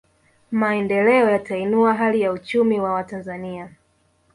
Maendeleo yatainua hali ya uchumi wa Watanzania